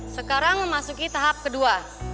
sekarang memasuki tahap kedua